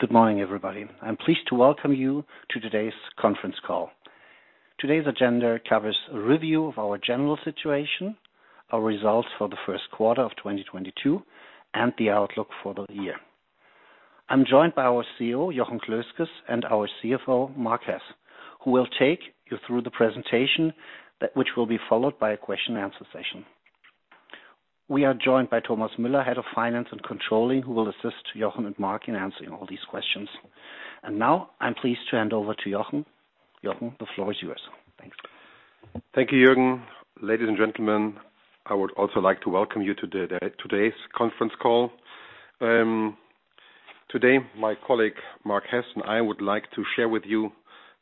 Good morning, everybody. I'm pleased to welcome you to today's conference call. Today's agenda covers a review of our general situation, our results for the first quarter of 2022, and the outlook for the year. I'm joined by our CEO, Jochen Klösges, and our CFO, Mark Hess, who will take you through the presentation which will be followed by a question and answer session. We are joined by Thomas Müller, Head of Finance and Controlling, who will assist Jochen and Mark in answering all these questions. Now I'm pleased to hand over to Jochen. Jochen, the floor is yours. Thanks. Thank you, Jürgen. Ladies and gentlemen, I would also like to welcome you to today's conference call. Today my colleague Mark Hess, and I would like to share with you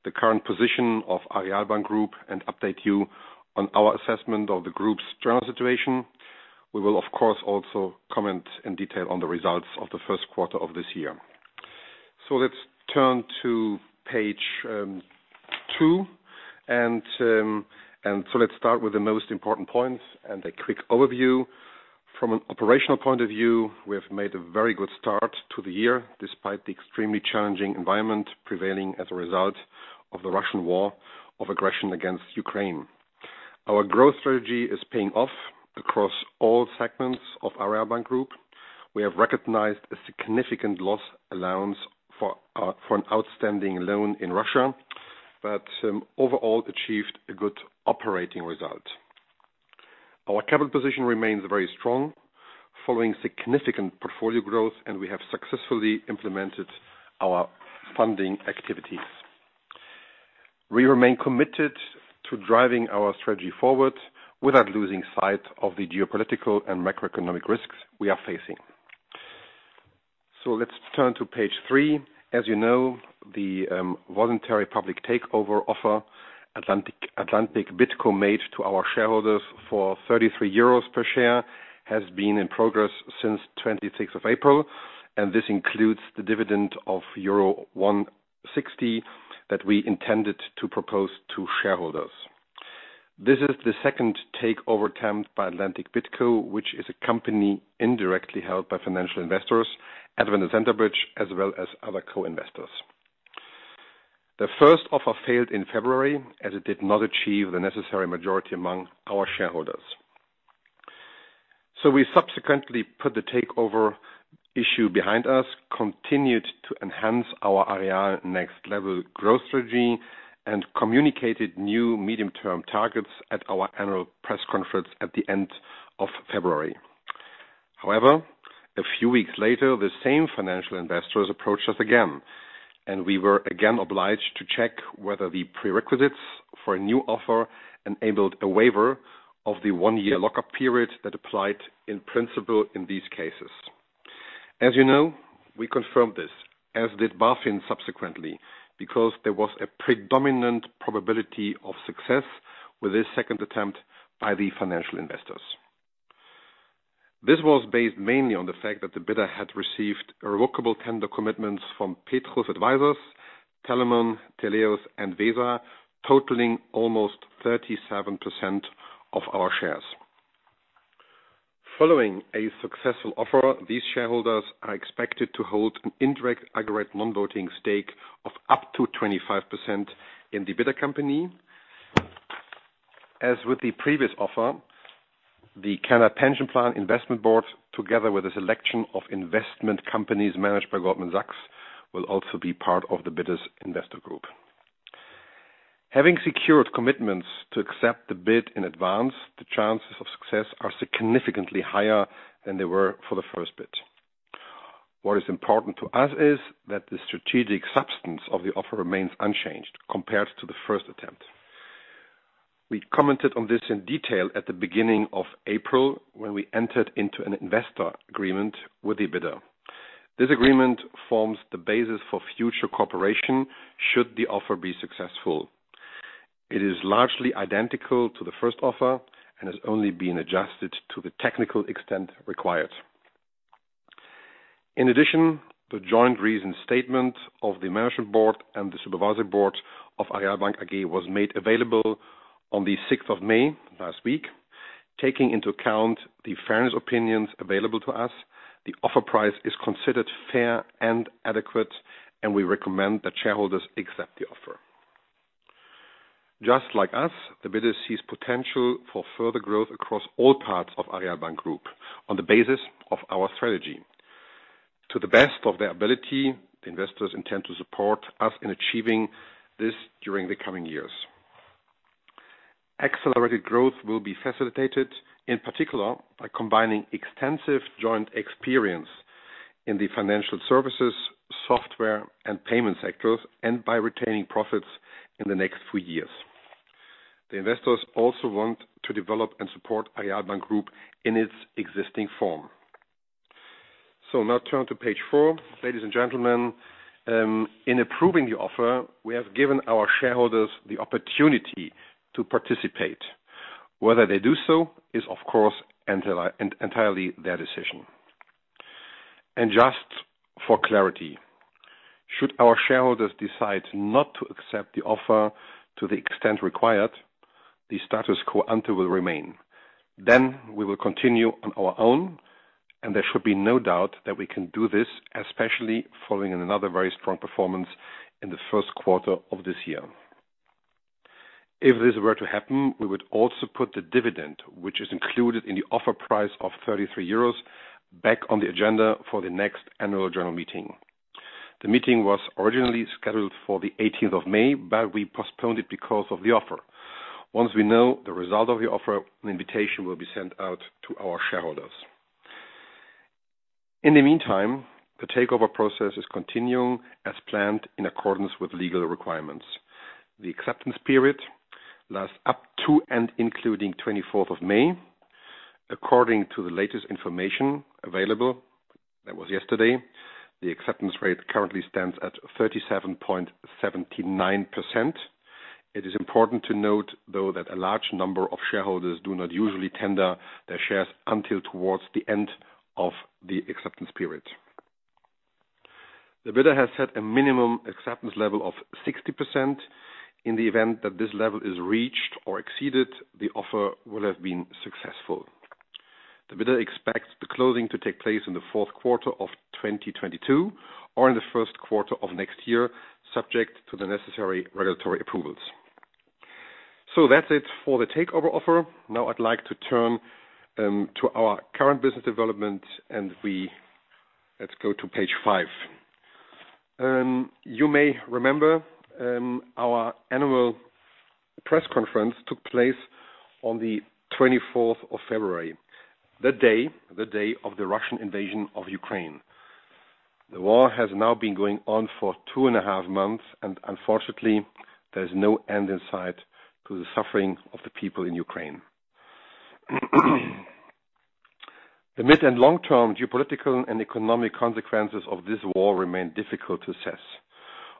the current position of Aareal Bank Group and update you on our assessment of the group's general situation. We will of course, also comment in detail on the results of the first quarter of this year. Let's turn to page two and so let's start with the most important points and a quick overview. From an operational point of view, we have made a very good start to the year, despite the extremely challenging environment prevailing as a result of the Russian war of aggression against Ukraine. Our growth strategy is paying off across all segments of Aareal Bank Group. We have recognized a significant loss allowance for an outstanding loan in Russia, but overall achieved a good operating result. Our capital position remains very strong following significant portfolio growth, and we have successfully implemented our funding activities. We remain committed to driving our strategy forward without losing sight of the geopolitical and macroeconomic risks we are facing. Let's turn to page three. As you know, the voluntary public takeover offer Atlantic BidCo made to our shareholders for 33 euros per share has been in progress since 26th of April, and this includes the dividend of euro 1.60 that we intended to propose to shareholders. This is the second takeover attempt by Atlantic BidCo, which is a company indirectly held by financial investors, Advent International and Centerbridge, as well as other co-investors. The first offer failed in February as it did not achieve the necessary majority among our shareholders. We subsequently put the takeover issue behind us, continued to enhance our Aareal Next Level growth strategy, and communicated new medium-term targets at our annual press conference at the end of February. However, a few weeks later, the same financial investors approached us again, and we were again obliged to check whether the prerequisites for a new offer enabled a waiver of the one-year lock-up period that applied in principle in these cases. As you know, we confirmed this, as did BaFin subsequently, because there was a predominant probability of success with this second attempt by the financial investors. This was based mainly on the fact that the bidder had received irrevocable tender commitments from Petrus Advisers, Talomon, Teleios, and Vesa, totaling almost 37% of our shares. Following a successful offer, these shareholders are expected to hold an indirect aggregate non-voting stake of up to 25% in the bidder company. As with the previous offer, the Canada Pension Plan Investment Board, together with a selection of investment companies managed by Goldman Sachs, will also be part of the bidders investor group. Having secured commitments to accept the bid in advance, the chances of success are significantly higher than they were for the first bid. What is important to us is that the strategic substance of the offer remains unchanged compared to the first attempt. We commented on this in detail at the beginning of April when we entered into an investor agreement with the bidder. This agreement forms the basis for future cooperation should the offer be successful. It is largely identical to the first offer and has only been adjusted to the technical extent required. In addition, the joint reasoned statement of the management board and the supervisory board of Aareal Bank AG was made available on the sixth of May last week. Taking into account the fairness opinions available to us, the offer price is considered fair and adequate, and we recommend that shareholders accept the offer. Just like us, the bidder sees potential for further growth across all parts of Aareal Bank Group on the basis of our strategy. To the best of their ability, investors intend to support us in achieving this during the coming years. Accelerated growth will be facilitated, in particular by combining extensive joint experience in the financial services, software and payment sectors, and by retaining profits in the next three years. The investors also want to develop and support Aareal Bank Group in its existing form. Now turn to page four. Ladies and gentlemen, in approving the offer, we have given our shareholders the opportunity to participate. Whether they do so is of course entirely their decision. Just for clarity, should our shareholders decide not to accept the offer to the extent required, the status quo ante will remain. We will continue on our own, and there should be no doubt that we can do this, especially following another very strong performance in the first quarter of this year. If this were to happen, we would also put the dividend, which is included in the offer price of 33 euros, back on the agenda for the next annual general meeting. The meeting was originally scheduled for the eighteenth of May, but we postponed it because of the offer. Once we know the result of the offer, an invitation will be sent out to our shareholders. In the meantime, the takeover process is continuing as planned in accordance with legal requirements. The acceptance period lasts up to and including 24th of May. According to the latest information available, that was yesterday, the acceptance rate currently stands at 37.79%. It is important to note, though, that a large number of shareholders do not usually tender their shares until towards the end of the acceptance period. The bidder has set a minimum acceptance level of 60%. In the event that this level is reached or exceeded, the offer will have been successful. The bidder expects the closing to take place in the fourth quarter of 2022 or in the first quarter of next year, subject to the necessary regulatory approvals. That's it for the takeover offer. Now I'd like to turn to our current business development, and let's go to page five. You may remember, our annual press conference took place on the 24th of February. The day of the Russian invasion of Ukraine. The war has now been going on for two and a half months and unfortunately, there's no end in sight to the suffering of the people in Ukraine. The mid- and long-term geopolitical and economic consequences of this war remain difficult to assess.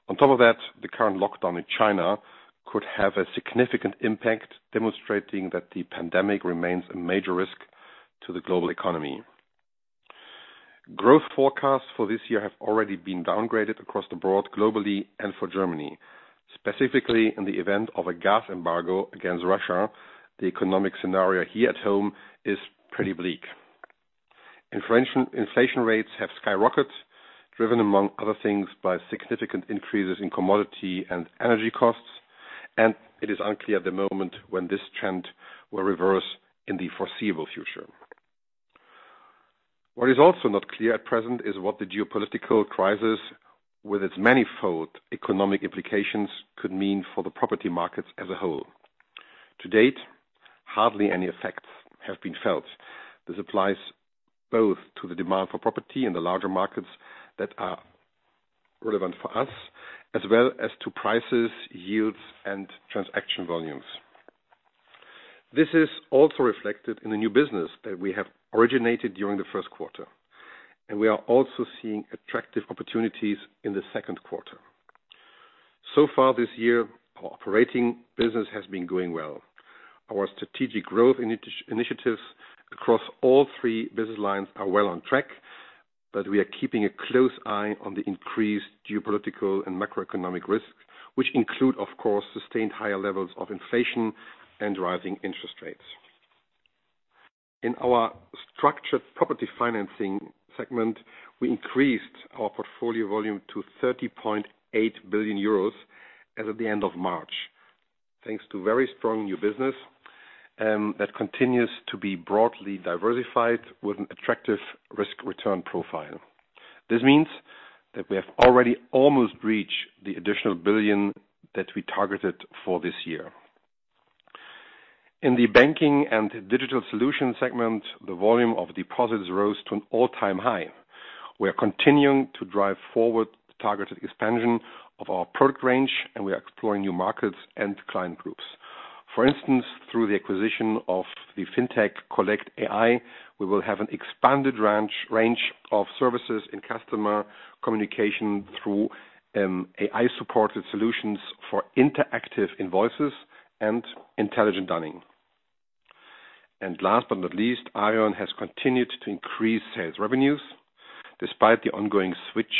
On top of that, the current lockdown in China could have a significant impact, demonstrating that the pandemic remains a major risk to the global economy. Growth forecasts for this year have already been downgraded across the board globally and for Germany, specifically in the event of a gas embargo against Russia, the economic scenario here at home is pretty bleak. Inflation, inflation rates have skyrocketed, driven, among other things, by significant increases in commodity and energy costs. It is unclear at the moment when this trend will reverse in the foreseeable future. What is also not clear at present is what the geopolitical crisis with its manifold economic implications could mean for the property markets as a whole. To date, hardly any effects have been felt. This applies both to the demand for property in the larger markets that are relevant for us, as well as to prices, yields, and transaction volumes. This is also reflected in the new business that we have originated during the first quarter, and we are also seeing attractive opportunities in the second quarter. So far this year, our operating business has been going well. Our strategic growth initiatives across all three business lines are well on track, but we are keeping a close eye on the increased geopolitical and macroeconomic risks, which include, of course, sustained higher levels of inflation and rising interest rates. In our Structured Property Financing segment, we increased our portfolio volume to 30.8 billion euros as of the end of March. Thanks to very strong new business that continues to be broadly diversified with an attractive risk-return profile. This means that we have already almost reached the additional 1 billion that we targeted for this year. In the Banking & Digital Solutions segment, the volume of deposits rose to an all-time high. We are continuing to drive forward the targeted expansion of our product range, and we are exploring new markets and client groups. For instance, through the acquisition of the fintech collectAI, we will have an expanded range of services in customer communication through AI-supported solutions for interactive invoices and intelligent dunning. Last but not least, Aareon has continued to increase sales revenues despite the ongoing switch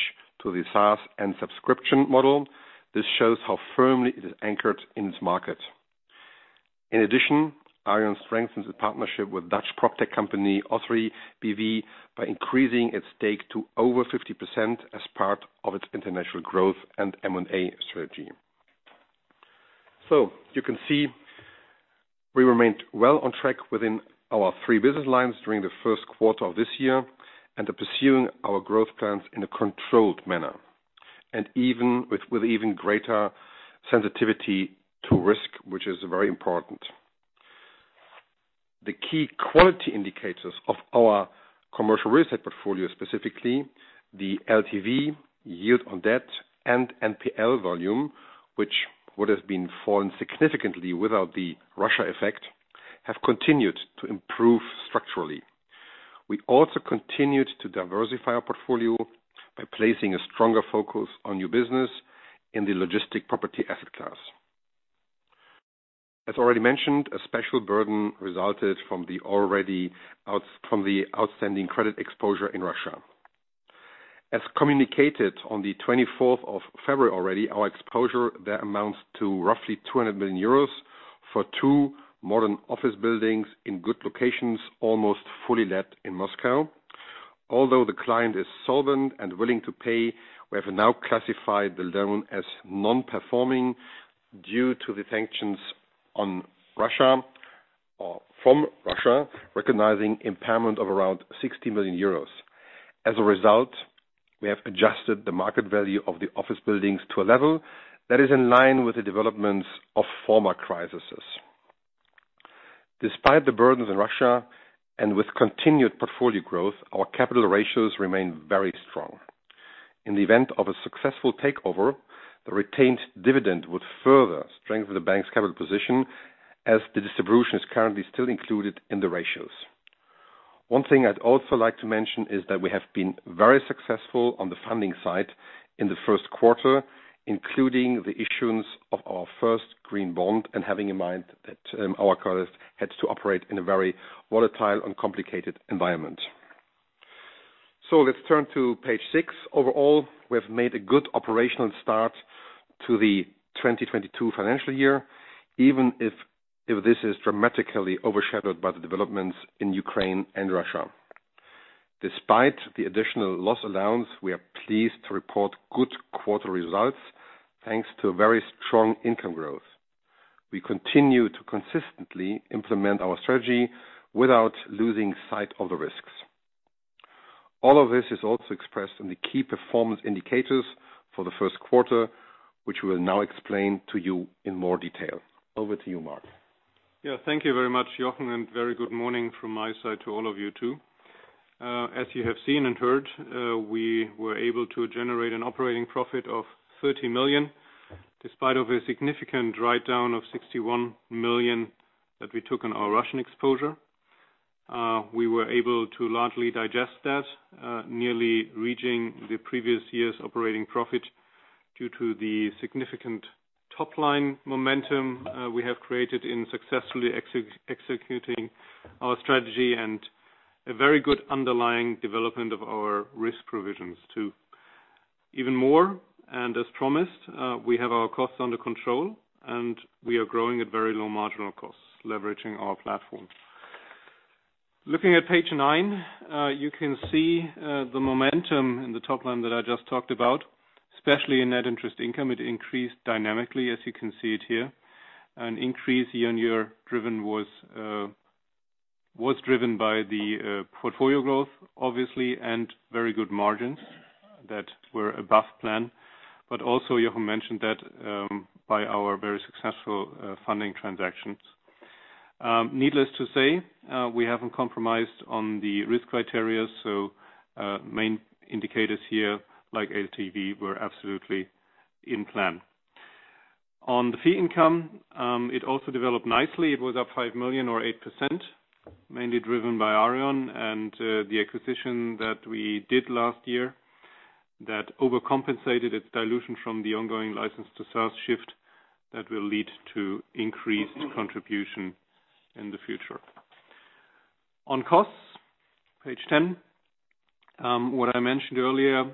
to the SaaS and subscription model. This shows how firmly it is anchored in its market. In addition, Aareon strengthens its partnership with Dutch proptech company OSRE B.V. by increasing its stake to over 50% as part of its international growth and M&A strategy. You can see we remained well on track within our three business lines during the first quarter of this year and are pursuing our growth plans in a controlled manner. Even with even greater sensitivity to risk, which is very important. The key quality indicators of our commercial real estate portfolio, specifically the LTV, yield on debt and NPL volume, which would have been fallen significantly without the Russia effect, have continued to improve structurally. We also continued to diversify our portfolio by placing a stronger focus on new business in the logistics property asset class. As already mentioned, a special burden resulted from the outstanding credit exposure in Russia. As communicated on the twenty-fourth of February already, our exposure there amounts to roughly 200 million euros for two modern office buildings in good locations, almost fully let in Moscow. Although the client is solvent and willing to pay, we have now classified the loan as non-performing due to the sanctions on Russia or from Russia, recognizing impairment of around 60 million euros. As a result, we have adjusted the market value of the office buildings to a level that is in line with the developments of former crises. Despite the burdens in Russia and with continued portfolio growth, our capital ratios remain very strong. In the event of a successful takeover, the retained dividend would further strengthen the bank's capital position as the distribution is currently still included in the ratios. One thing I'd also like to mention is that we have been very successful on the funding side in the first quarter, including the issuance of our first green bond and having in mind that our colleagues had to operate in a very volatile and complicated environment. Let's turn to page 6. Overall, we have made a good operational start to the 2022 financial year, even if this is dramatically overshadowed by the developments in Ukraine and Russia. Despite the additional loss allowance, we are pleased to report good quarter results thanks to very strong income growth. We continue to consistently implement our strategy without losing sight of the risks. All of this is also expressed in the key performance indicators for the first quarter, which we'll now explain to you in more detail. Over to you, Mark. Yeah. Thank you very much, Jochen, and very good morning from my side to all of you too. As you have seen and heard, we were able to generate an operating profit of 30 million, despite of a significant write-down of 61 million that we took on our Russian exposure. We were able to largely digest that, nearly reaching the previous year's operating profit due to the significant top line momentum we have created in successfully executing our strategy and a very good underlying development of our risk provisions too. Even more, as promised, we have our costs under control, and we are growing at very low marginal costs, leveraging our platform. Looking at page 9, you can see the momentum in the top line that I just talked about, especially in net interest income. It increased dynamically, as you can see it here. An increase year-on-year was driven by the portfolio growth, obviously, and very good margins that were above plan. Jochen mentioned that by our very successful funding transactions. Needless to say, we haven't compromised on the risk criteria. Main indicators here, like LTV, were absolutely in plan. On the fee income, it also developed nicely. It was up 5 million or 8%, mainly driven by Aareon and the acquisition that we did last year that overcompensated its dilution from the ongoing license to SaaS shift that will lead to increased contribution in the future. On costs, page 10, what I mentioned earlier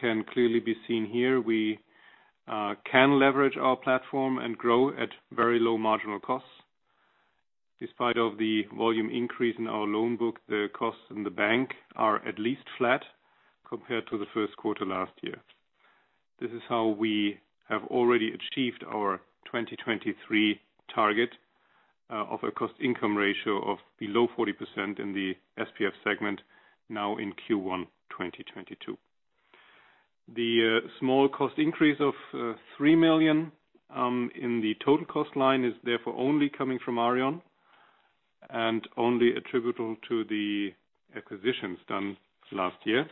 can clearly be seen here. We can leverage our platform and grow at very low marginal costs. Despite the volume increase in our loan book, the costs in the bank are at least flat compared to the first quarter last year. This is how we have already achieved our 2023 target of a cost-income ratio of below 40% in the SPF segment now in Q1 2022. The small cost increase of 3 million in the total cost line is therefore only coming from Aareon and only attributable to the acquisitions done last year.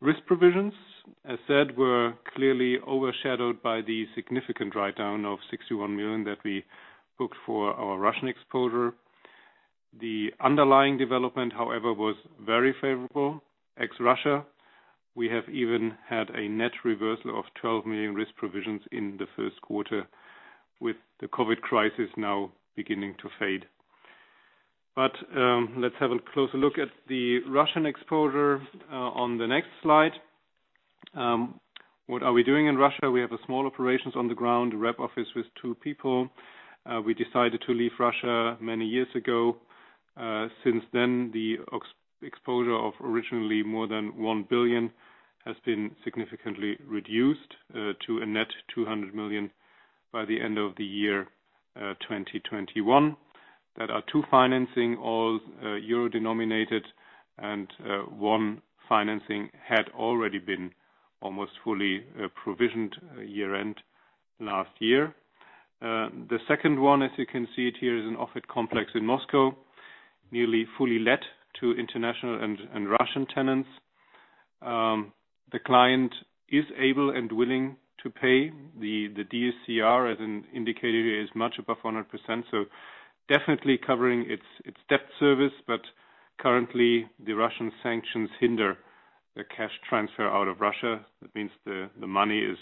Risk provisions, as said, were clearly overshadowed by the significant write-down of 61 million that we booked for our Russian exposure. The underlying development, however, was very favorable. Ex-Russia, we have even had a net reversal of 12 million risk provisions in the first quarter with the COVID crisis now beginning to fade. Let's have a closer look at the Russian exposure on the next slide. What are we doing in Russia? We have small operations on the ground, a rep office with two people. We decided to leave Russia many years ago. Since then, the exposure of originally more than 1 billion has been significantly reduced to a net 200 million by the end of the year 2021. There are two financings, all euro-denominated, and one financing had already been almost fully provisioned year-end last year. The second one, as you can see it here, is an office complex in Moscow, nearly fully let to international and Russian tenants. The client is able and willing to pay. The DSCR, as indicated here, is much above 100%, so definitely covering its debt service. Currently, the Russian sanctions hinder the cash transfer out of Russia, that means the money is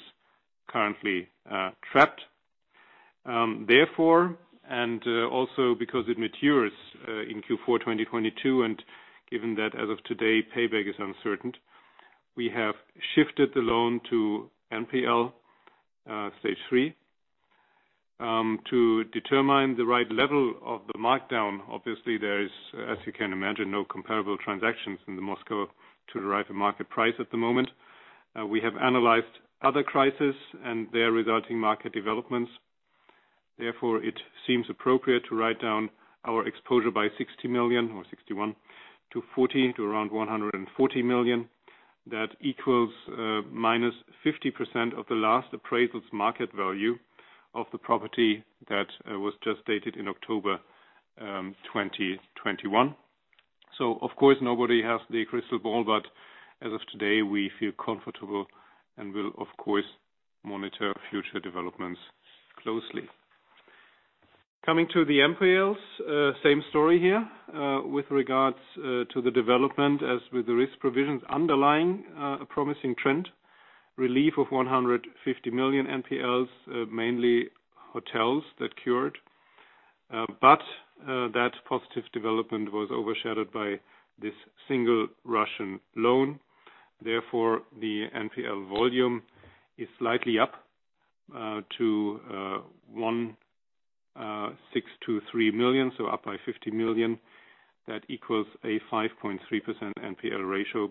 currently trapped. Therefore, also because it matures in Q4 2022, and given that as of today, payback is uncertain, we have shifted the loan to NPL stage three. To determine the right level of the markdown, obviously there is, as you can imagine, no comparable transactions in Moscow to derive a market price at the moment. We have analyzed other crises and their resulting market developments. Therefore, it seems appropriate to write down our exposure by 60 million or 61 to 40 to around 140 million. That equals -50% of the last appraisal's market value of the property that was just dated in October 2021. Of course, nobody has the crystal ball, but as of today, we feel comfortable and will, of course, monitor future developments closely. Coming to the NPLs, same story here. With regards to the development as with the risk provisions underlying a promising trend, relief of 150 million NPLs, mainly hotels that cured. That positive development was overshadowed by this single Russian loan. Therefore, the NPL volume is slightly up to 162.3 million, so up by 50 million. That equals a 5.3% NPL ratio.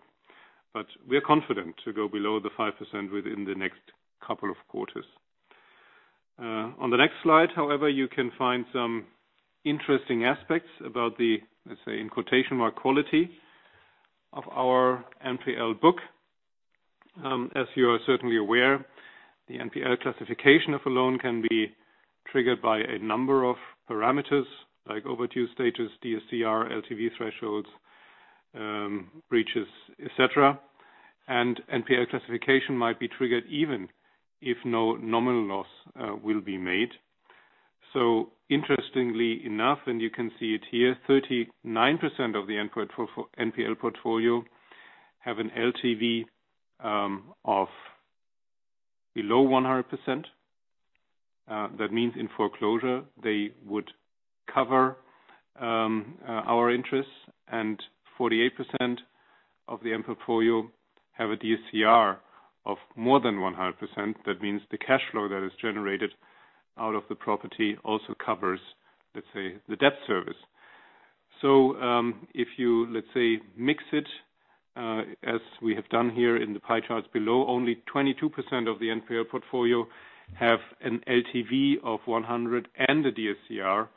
We're confident to go below the 5% within the next couple of quarters. On the next slide, however, you can find some interesting aspects about the, let's say, in quotation, "quality" of our NPL book. As you are certainly aware, the NPL classification of a loan can be triggered by a number of parameters like overdue status, DSCR, LTV thresholds, breaches, etc. NPL classification might be triggered even if no nominal loss will be made. Interestingly enough, and you can see it here, 39% of the NPL portfolio have an LTV of below 100%. That means in foreclosure, they would cover our interests, and 48% of the NPL portfolio have a DSCR of more than 100%. That means the cash flow that is generated out of the property also covers, let's say, the debt service. If you, let's say, mix it as we have done here in the pie charts below, only 22% of the NPL portfolio have an LTV of 100 and a DSCR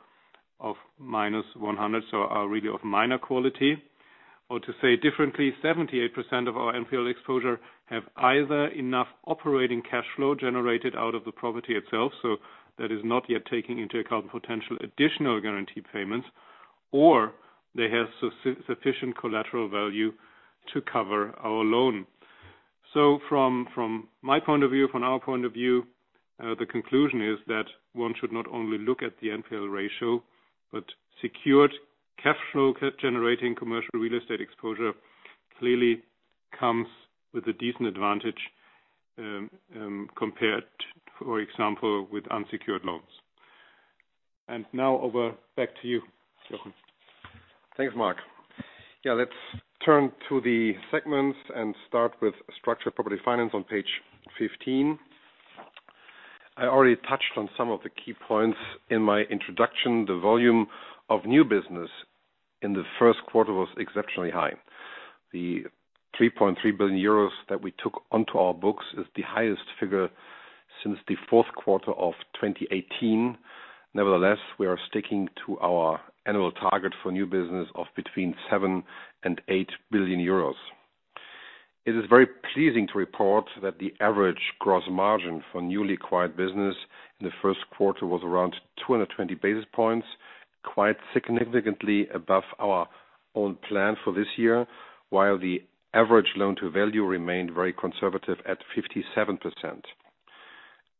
of -100, so are really of minor quality. Or to say it differently, 78% of our NPL exposure have either enough operating cash flow generated out of the property itself, so that is not yet taking into account potential additional guarantee payments, or they have sufficient collateral value to cover our loan. From our point of view, the conclusion is that one should not only look at the NPL ratio, but secured cash flow generating commercial real estate exposure clearly comes with a decent advantage compared, for example, with unsecured loans. Now back over to you, Jochen. Thanks, Mark. Yeah, let's turn to the segments and start with Structured Property Financing on page 15. I already touched on some of the key points in my introduction. The volume of new business in the first quarter was exceptionally high. The 3.3 billion euros that we took onto our books is the highest figure since the fourth quarter of 2018. Nevertheless, we are sticking to our annual target for new business of between 7 billion and 8 billion euros. It is very pleasing to report that the average gross margin for newly acquired business in the first quarter was around 220 basis points, quite significantly above our own plan for this year, while the average loan to value remained very conservative at 57%.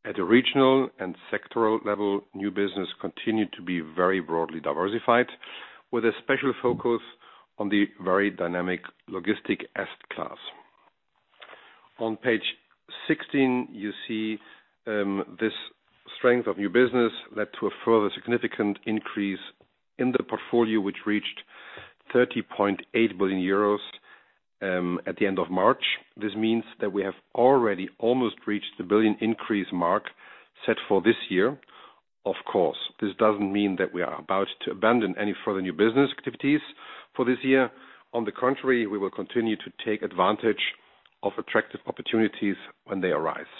At a regional and sectoral level, new business continued to be very broadly diversified, with a special focus on the very dynamic logistics asset class. On page 16, you see, this strength of new business led to a further significant increase in the portfolio, which reached 30.8 billion euros at the end of March. This means that we have already almost reached the billion increase mark set for this year. Of course, this doesn't mean that we are about to abandon any further new business activities for this year. On the contrary, we will continue to take advantage of attractive opportunities when they arise.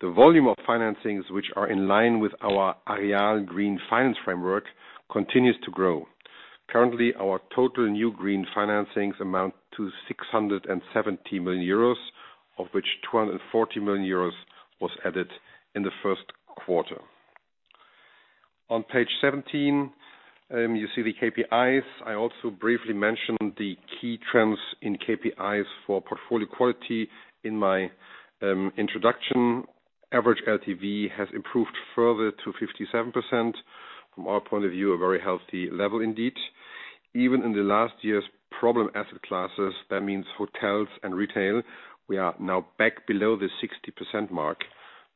The volume of financings which are in line with our Aareal Green Finance Framework continues to grow. Currently, our total new green financings amount to 670 million euros, of which 240 million euros was added in the first quarter. On page 17, you see the KPIs. I also briefly mentioned the key trends in KPIs for portfolio quality in my introduction. Average LTV has improved further to 57%. From our point of view, a very healthy level indeed. Even in the last year's problem asset classes, that means hotels and retail, we are now back below the 60% mark.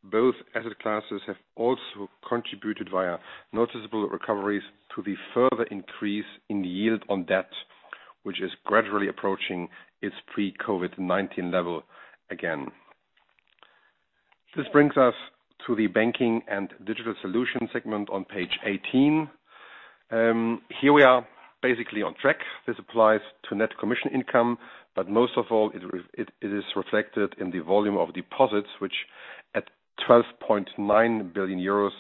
Both asset classes have also contributed via noticeable recoveries to the further increase in the yield on debt, which is gradually approaching its pre-COVID-19 level again. This brings us to the Banking & Digital Solutions segment on page 18. Here we are basically on track. This applies to net commission income, but most of all, it is reflected in the volume of deposits, which at 12.9 billion euros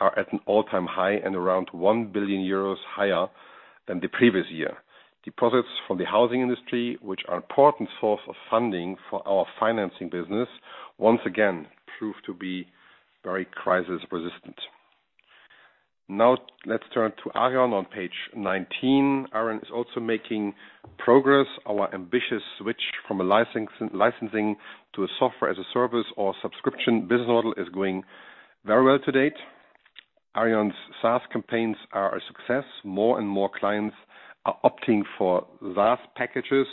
are at an all-time high and around 1 billion euros higher than the previous year. Deposits from the housing industry, which are an important source of funding for our financing business, once again proved to be very crisis resistant. Now let's turn to Aareon on page 19. Aareon is also making progress. Our ambitious switch from a licensing to a software as a service or subscription business model is going very well to date. Aareon's SaaS campaigns are a success. More and more clients are opting for vast packages,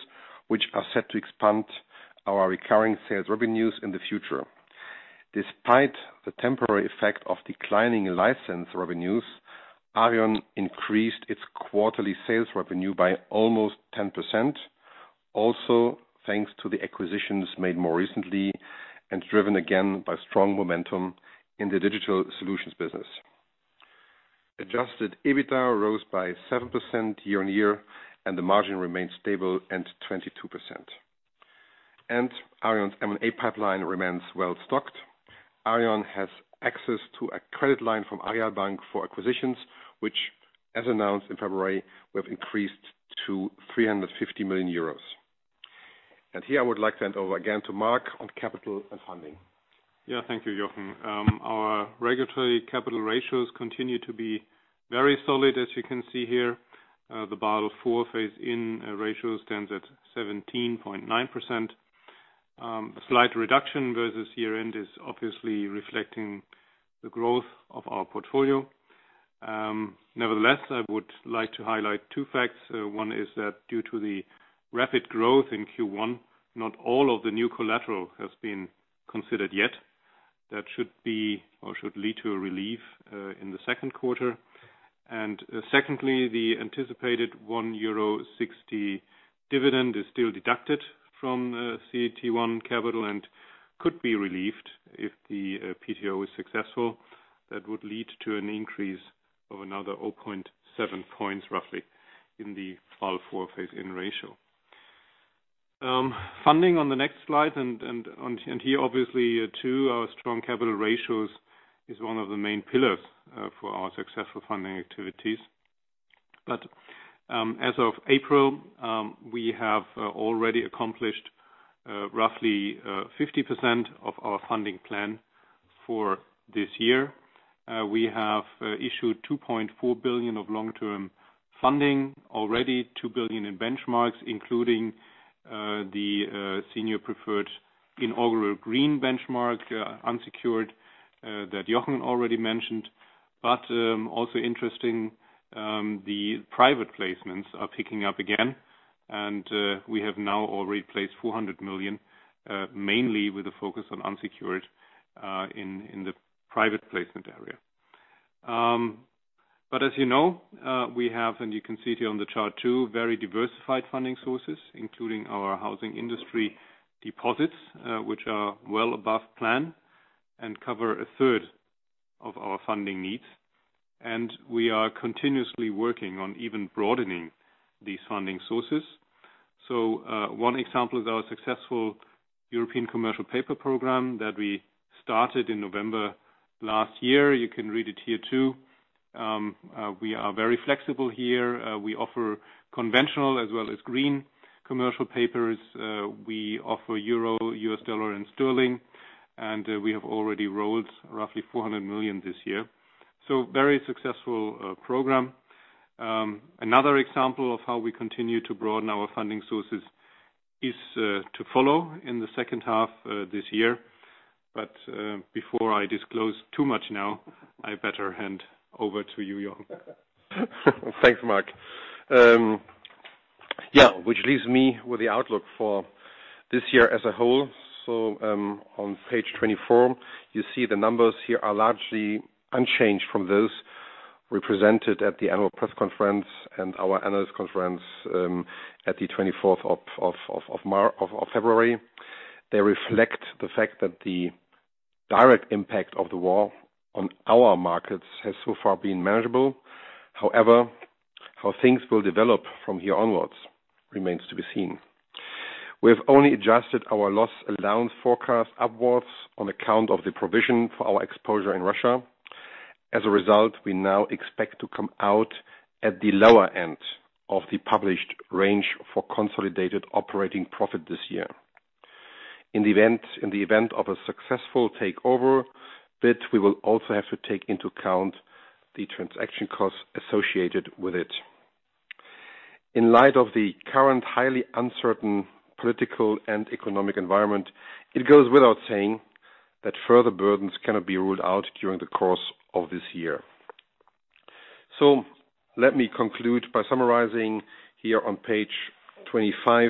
which are set to expand our recurring sales revenues in the future. Despite the temporary effect of declining license revenues, Aareon increased its quarterly sales revenue by almost 10%, also thanks to the acquisitions made more recently and driven again by strong momentum in the digital solutions business. Adjusted EBITDA rose by 7% year-on-year, and the margin remains stable and 22%. Aareon's M&A pipeline remains well-stocked. Aareon has access to a credit line from Aareal Bank for acquisitions, which as announced in February, we have increased to 350 million euros. Here I would like to hand over again to Mark on capital and funding. Yeah, thank you, Jochen. Our regulatory capital ratios continue to be very solid, as you can see here. The Basel IV phase in ratio stands at 17.9%. A slight reduction versus year-end is obviously reflecting the growth of our portfolio. Nevertheless, I would like to highlight two facts. One is that due to the rapid growth in Q1, not all of the new collateral has been considered yet. That should be or should lead to a relief in the second quarter. Secondly, the anticipated 1.60 euro dividend is still deducted from CET1 capital and could be relieved if the PTO is successful. That would lead to an increase of another 0.7 points, roughly, in the Basel IV phase in ratio. Funding on the next slide and on here obviously too, our strong capital ratios is one of the main pillars for our successful funding activities. As of April, we have already accomplished roughly 50% of our funding plan for this year. We have issued 2.4 billion of long-term funding already, 2 billion in benchmarks, including the senior preferred inaugural green benchmark unsecured that Jochen already mentioned. Also interesting, the private placements are picking up again, and we have now already placed 400 million, mainly with a focus on unsecured in the private placement area. As you know, we have, and you can see it here on the chart too, very diversified funding sources, including our housing industry deposits, which are well above plan and cover a third of our funding needs. We are continuously working on even broadening these funding sources. One example is our successful European commercial paper program that we started in November last year. You can read it here too. We are very flexible here. We offer conventional as well as green commercial papers. We offer euro, U.S. dollar, and sterling, and we have already rolled roughly 400 million this year. Very successful program. Another example of how we continue to broaden our funding sources is to follow in the second half this year. Before I disclose too much now, I better hand over to you, Jochen. Thanks, Mark. Which leaves me with the outlook for this year as a whole. On page 24, you see the numbers here are largely unchanged from those we presented at the annual press conference and our analyst conference at the 24th of February. They reflect the fact that the direct impact of the war on our markets has so far been manageable. However, how things will develop from here onwards remains to be seen. We have only adjusted our loss allowance forecast upwards on account of the provision for our exposure in Russia. As a result, we now expect to come out at the lower end of the published range for consolidated operating profit this year. In the event of a successful takeover bid, we will also have to take into account the transaction costs associated with it. In light of the current highly uncertain political and economic environment, it goes without saying that further burdens cannot be ruled out during the course of this year. Let me conclude by summarizing here on page 25,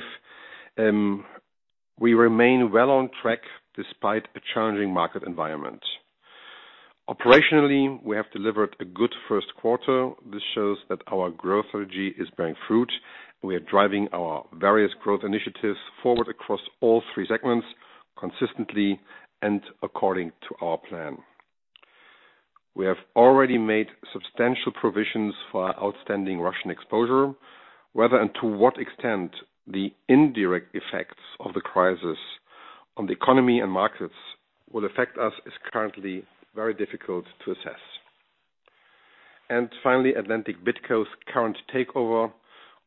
we remain well on track despite a challenging market environment. Operationally, we have delivered a good first quarter. This shows that our growth strategy is bearing fruit. We are driving our various growth initiatives forward across all three segments consistently and according to our plan. We have already made substantial provisions for our outstanding Russian exposure. Whether and to what extent the indirect effects of the crisis on the economy and markets will affect us is currently very difficult to assess. Finally, Atlantic BidCo's current takeover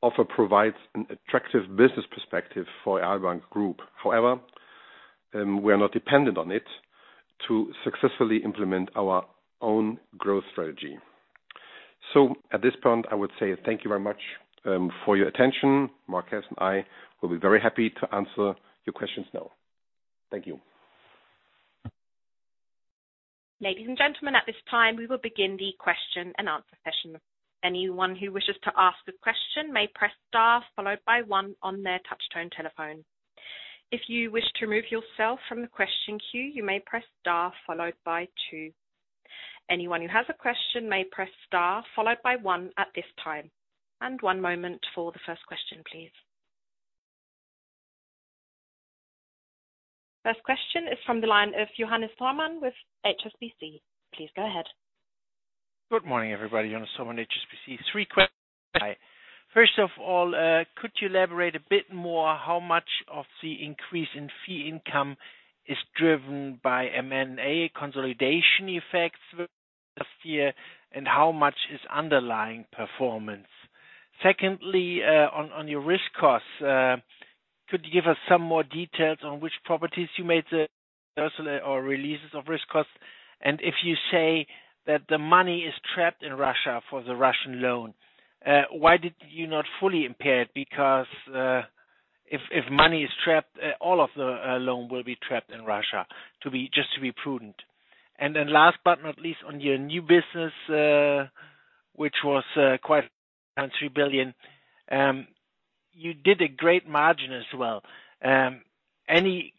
offer provides an attractive business perspective for Aareal Bank Group. However, we are not dependent on it to successfully implement our own growth strategy. At this point, I would say thank you very much for your attention. Mark Hess and I will be very happy to answer your questions now. Thank you. Ladies and gentlemen, at this time, we will begin the question and answer session. Anyone who wishes to ask a question may press star followed by one on their touch tone telephone. If you wish to remove yourself from the question queue, you may press star followed by two. Anyone who has a question may press star followed by one at this time. One moment for the first question, please. First question is from the line of Johannes Thormann with HSBC. Please go ahead. Good morning, everybody. Johannes Thormann, HSBC. Three questions. First of all, could you elaborate a bit more how much of the increase in fee income is driven by M&A consolidation effects last year and how much is underlying performance? Secondly, on your risk costs, could you give us some more details on which properties you made provisions or releases of risk costs? And if you say that the money is trapped in Russia for the Russian loan, why did you not fully impair it? Because, if money is trapped, all of the loan will be trapped in Russia just to be prudent. Then last but not least, on your new business, which was quite 3 billion, you did a great margin as well. Any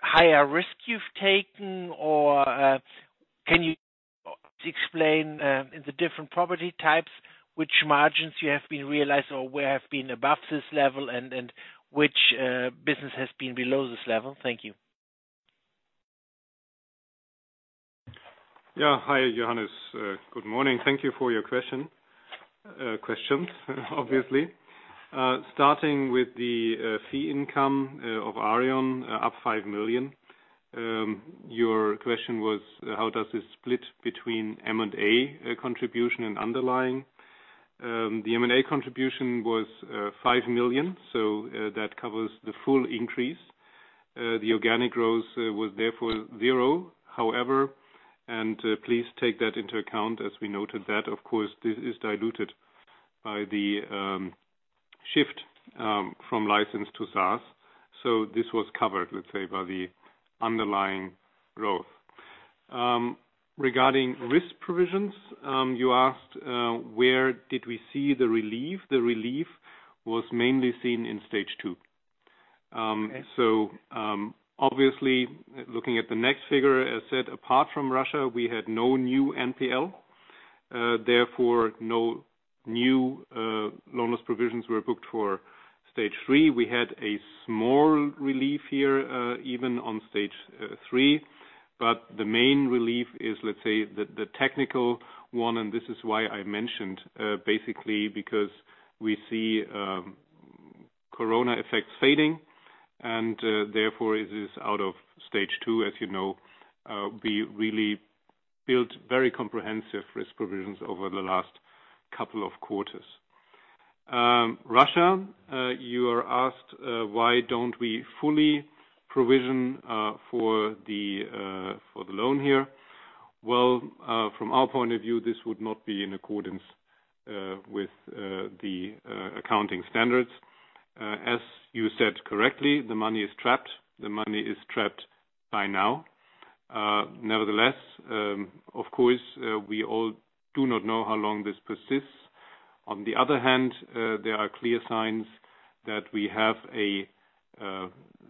higher risk you've taken or can you explain in the different property types which margins you have been realized or where have been above this level and which business has been below this level? Thank you. Hi, Johannes. Good morning. Thank you for your questions, obviously. Starting with the fee income of Aareon up 5 million. Your question was, how does this split between M&A contribution and underlying? The M&A contribution was 5 million, so that covers the full increase. The organic growth was therefore zero. However, please take that into account as we noted that of course this is diluted by the shift from license to SaaS. This was covered, let's say, by the underlying growth. Regarding risk provisions, you asked where did we see the relief? The relief was mainly seen in Stage 2. Obviously looking at the next figure, as said, apart from Russia, we had no new NPL, therefore no new loan loss provisions were booked for Stage 3. We had a small relief here, even on Stage 3. The main relief is, let's say the technical one, and this is why I mentioned, basically because we see corona effects fading and therefore it is out of Stage 2. As you know, we really built very comprehensive risk provisions over the last couple of quarters. Russia, you asked, why don't we fully provision for the loan here. Well, from our point of view, this would not be in accordance with the accounting standards. As you said correctly, the money is trapped. The money is trapped by now. Nevertheless, of course, we all do not know how long this persists. On the other hand, there are clear signs that we have a,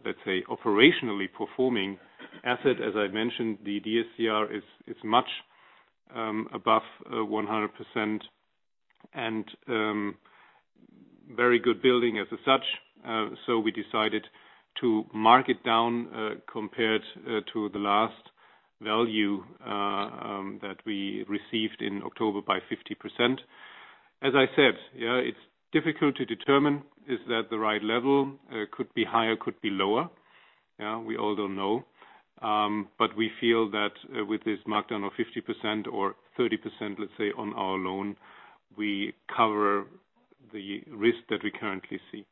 let's say, operationally performing asset. As I mentioned, the DSCR is much above 100% and very good building as such. So we decided to mark it down, compared to the last value that we received in October by 50%. As I said, yeah, it's difficult to determine. Is that the right level? Could be higher, could be lower. Yeah, we all don't know. We feel that, with this markdown of 50% or 30%, let's say, on our loan, we cover the risk that we currently see.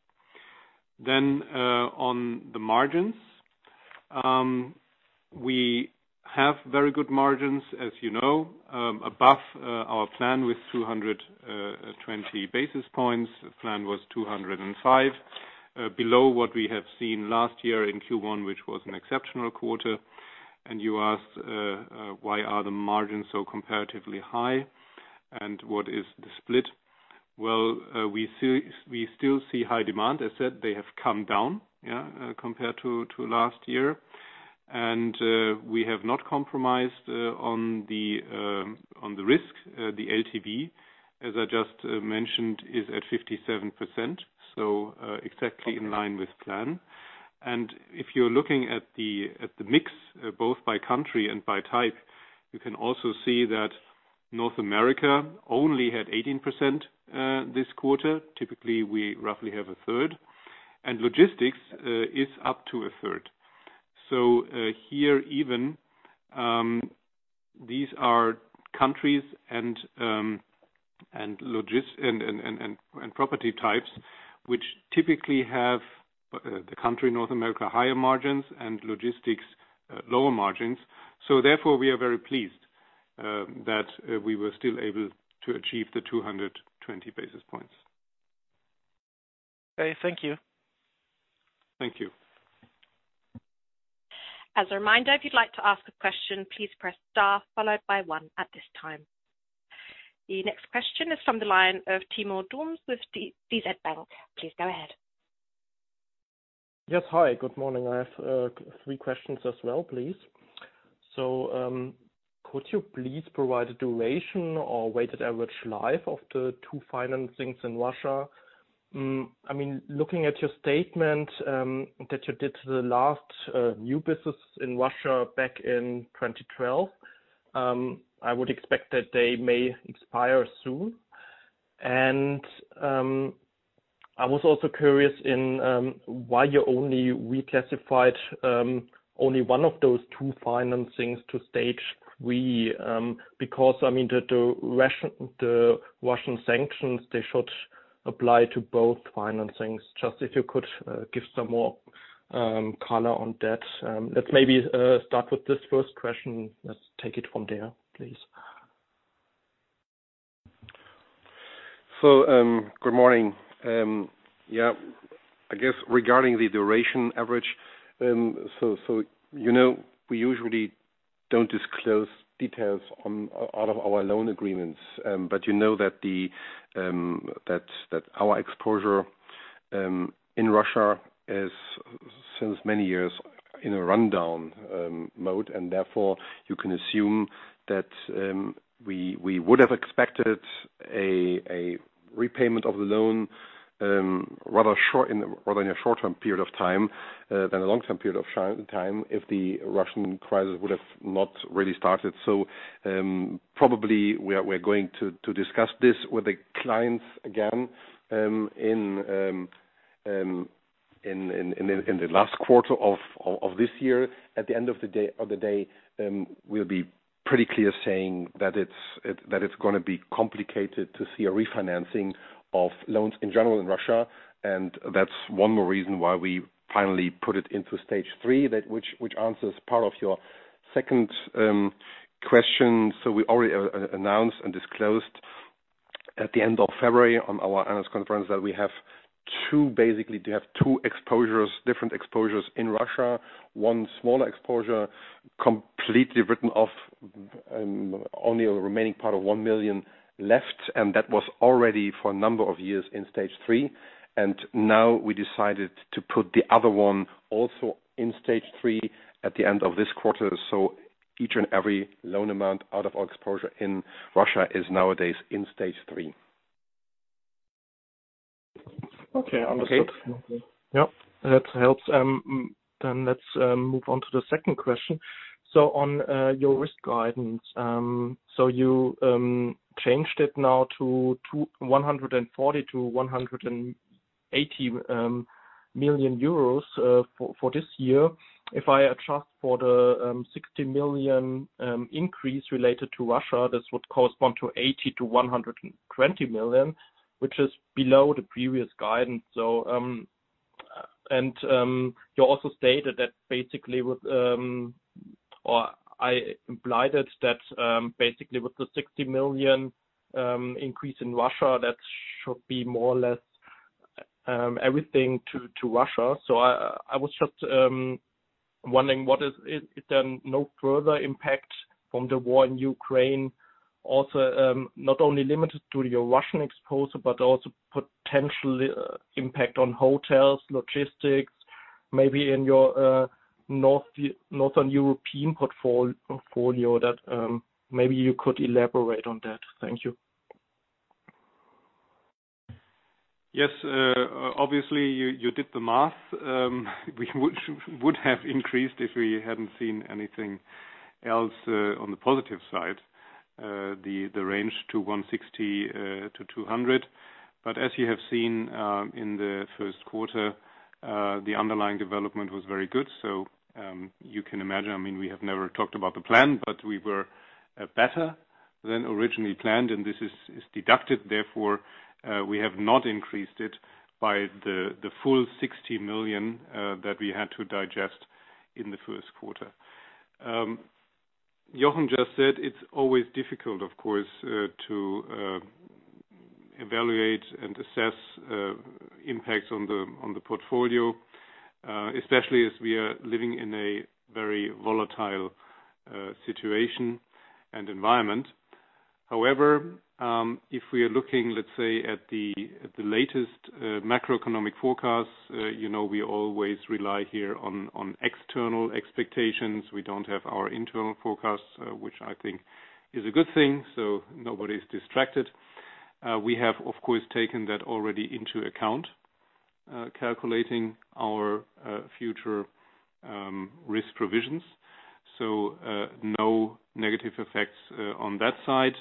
On the margins, we have very good margins, as you know, above our plan with 220 basis points. The plan was 205, below what we have seen last year in Q1, which was an exceptional quarter. You asked why are the margins so comparatively high, and what is the split? Well, we still see high demand. As said, they have come down, yeah, compared to last year. We have not compromised on the risk. The LTV, as I just mentioned, is at 57%, so exactly in line with plan. If you're looking at the mix both by country and by type, you can also see that North America only had 18% this quarter. Typically, we roughly have a third. Logistics is up to a third. Even here these are countries and logistics and property types which typically have the country North America higher margins and logistics lower margins. Therefore, we are very pleased that we were still able to achieve 220 basis points. Okay. Thank you. Thank you. As a reminder, if you'd like to ask a question, please press star followed by one at this time. The next question is from the line of Timo Dums with DZ Bank. Please go ahead. Yes. Hi, good morning. I have three questions as well, please. Could you please provide a duration or weighted average life of the two financings in Russia? I mean, looking at your statement, that you did the last new business in Russia back in 2012, I would expect that they may expire soon. I was also curious in why you only reclassified only one of those two financings to Stage 3, because I mean, the Russian sanctions, they should apply to both financings. Just if you could give some more color on that. Let's maybe start with this first question. Let's take it from there, please. Good morning. Yeah, I guess regarding the duration average, so you know, we usually don't disclose details on our loan agreements. But you know that our exposure in Russia is since many years in a run-down mode, and therefore you can assume that we would have expected a repayment of the loan rather in a short-term period of time than a long-term period of time, if the Russian crisis would have not really started. Probably we are going to discuss this with the clients again in the last quarter of this year. At the end of the day, we'll be pretty clear saying that it's gonna be complicated to see a refinancing of loans in general in Russia. That's one more reason why we finally put it into Stage 3. Which answers part of your second question. We already announced and disclosed at the end of February on our analyst conference that we have two different exposures in Russia. One smaller exposure, completely written off, only the remaining part of 1 million left, and that was already for a number of years in Stage 3. Now we decided to put the other one also in Stage 3 at the end of this quarter. Each and every loan amount out of our exposure in Russia is nowadays in Stage 3. Okay. Understood. Okay. Yep, that helps. Let's move on to the second question. On your risk guidance, you changed it now to 140 million-180 million euros for this year. If I adjust for the 60 million increase related to Russia, this would correspond to 80 million-120 million, which is below the previous guidance. You also stated that basically, or I implied that, basically with the 60 million increase in Russia, that should be more or less everything to Russia. I was just wondering, is there no further impact from the war in Ukraine also, not only limited to your Russian exposure, but also potentially impact on hotels, logistics, maybe in your Northern European portfolio that maybe you could elaborate on that. Thank you. Yes. Obviously you did the math. We would have increased if we hadn't seen anything else, on the positive side, the range to 160 million-200 million. As you have seen, in the first quarter, the underlying development was very good. You can imagine, I mean, we have never talked about the plan, but we were better than originally planned and this is deducted. Therefore, we have not increased it by the full 60 million that we had to digest in the first quarter. Jochen just said it's always difficult, of course, to evaluate and assess impacts on the portfolio, especially as we are living in a very volatile situation and environment. However, if we are looking, let's say at the latest macroeconomic forecast, you know, we always rely here on external expectations. We don't have our internal forecasts, which I think is a good thing, so nobody's distracted. We have of course taken that already into account, calculating our future risk provisions. No negative effects on that side.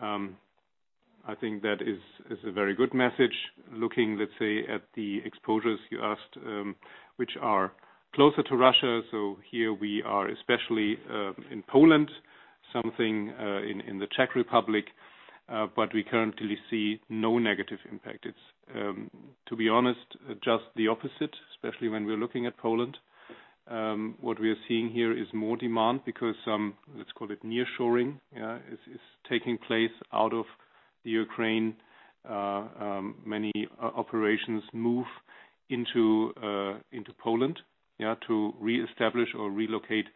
I think that is a very good message looking, let's say at the exposures you asked, which are closer to Russia. Here we are, especially in Poland, something in the Czech Republic. But we currently see no negative impact. It's to be honest, just the opposite, especially when we are looking at Poland. What we are seeing here is more demand because, let's call it nearshoring, is taking place out of the Ukraine. Many operations move into Poland to reestablish or relocate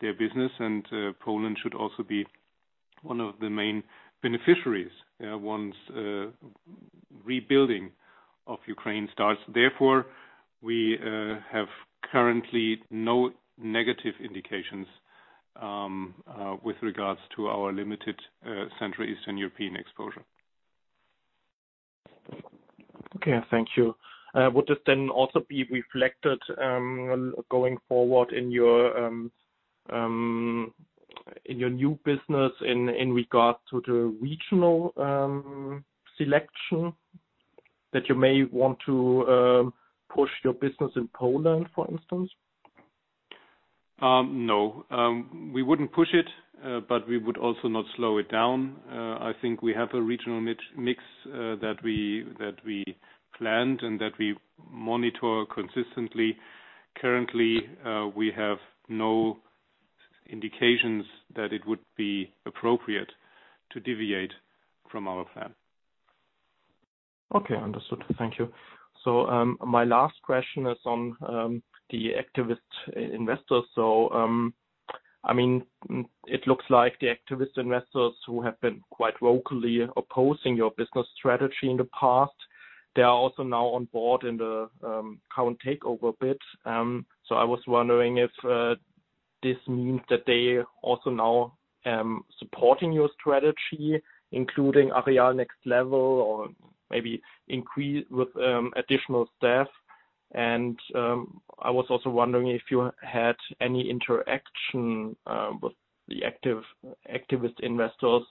their business. Poland should also be one of the main beneficiaries once rebuilding of Ukraine starts. Therefore, we have currently no negative indications with regards to our limited Central and Eastern European exposure. Okay, thank you. Would this then also be reflected going forward in your new business in regards to the regional selection that you may want to push your business in Poland, for instance? No. We wouldn't push it, but we would also not slow it down. I think we have a regional mix that we planned and that we monitor consistently. Currently, we have no indications that it would be appropriate to deviate from our plan. Okay. Understood. Thank you. My last question is on the activist investors. I mean, it looks like the activist investors who have been quite vocally opposing your business strategy in the past, they are also now on board in the current takeover bid. I was wondering if this means that they also now supporting your strategy, including Aareal Next Level or maybe increase with additional staff. I was also wondering if you had any interaction with the activist investors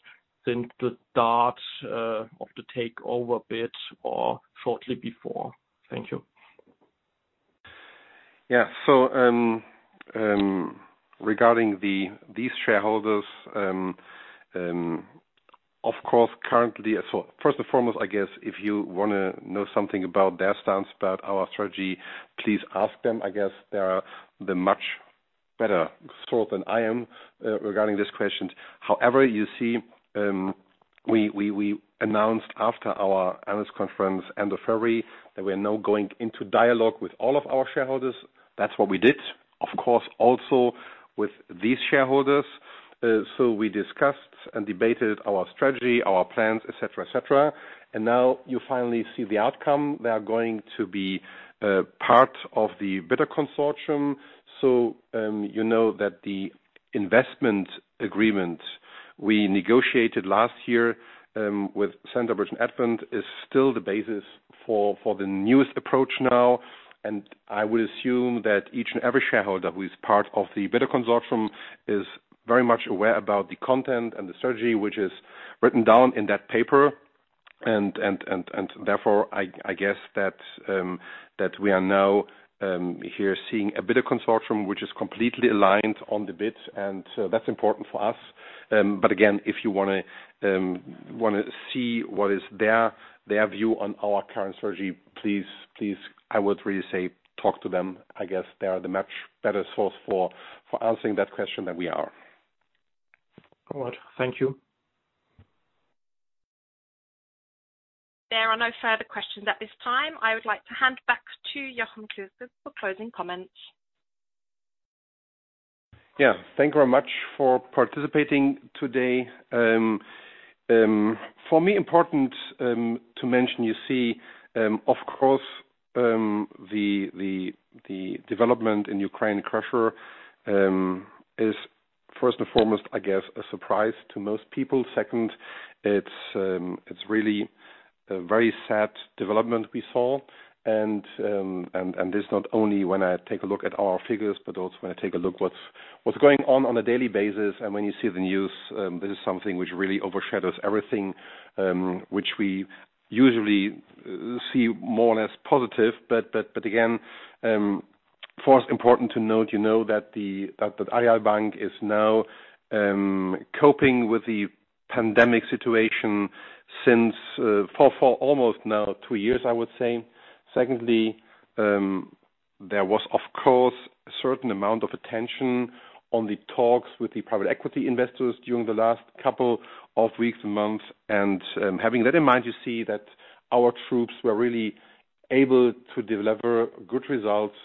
since the start of the takeover bid or shortly before. Thank you. Regarding these shareholders, of course, first and foremost, I guess if you wanna know something about their stance about our strategy, please ask them. I guess they are the much better source than I am regarding this question. However, you see, we announced after our analyst conference end of February that we are now going into dialogue with all of our shareholders. That's what we did, of course, also with these shareholders. We discussed and debated our strategy, our plans, et cetera, et cetera, and now you finally see the outcome. They are going to be part of the bidder consortium. You know that the investment agreement we negotiated last year with Centerbridge and Advent is still the basis for the newest approach now. I would assume that each and every shareholder who is part of the bidder consortium is very much aware about the content and the strategy, which is written down in that paper. I guess that we are now here seeing a bidder consortium, which is completely aligned on the bid, and that's important for us. Again, if you wanna see what is their view on our current strategy, please, I would really say talk to them. I guess they are the much better source for answering that question than we are. All right. Thank you. There are no further questions at this time. I would like to hand back to Jochen Klösges for closing comments. Yeah. Thank you very much for participating today. For me, important to mention, you see, of course, the development in Ukraine Russia is first and foremost, I guess, a surprise to most people. Second, it's really a very sad development we saw. This not only when I take a look at our figures, but also when I take a look what's going on on a daily basis. When you see the news, this is something which really overshadows everything, which we usually see more or less positive. Again, for us important to note, you know, that the Aareal Bank is now coping with the pandemic situation since for almost now two years, I would say. Secondly, there was of course a certain amount of attention on the talks with the private equity investors during the last couple of weeks and months. Having that in mind, you see that our troops were really able to deliver good results.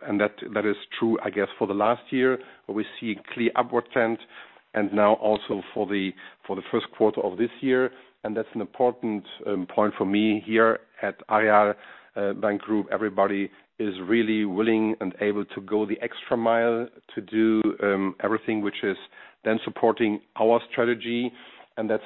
That is true, I guess, for the last year, where we see a clear upward trend and now also for the first quarter of this year. That's an important point for me here at Aareal Bank Group. Everybody is really willing and able to go the extra mile to do everything which is then supporting our strategy. That's,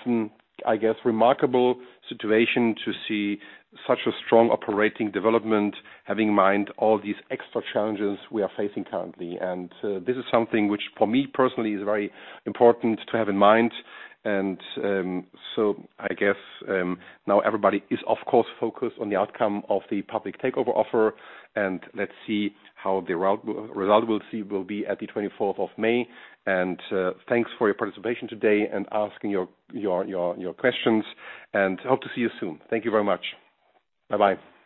I guess, remarkable situation to see such a strong operating development, having in mind all these extra challenges we are facing currently. This is something which for me personally is very important to have in mind. I guess now everybody is of course focused on the outcome of the public takeover offer, and let's see how the result we'll see will be at the twenty-fourth of May. Thanks for your participation today and asking your questions and hope to see you soon. Thank you very much. Bye-bye.